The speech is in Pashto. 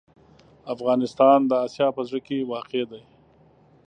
افغانستان د اسیا په زړه کې واقع دی.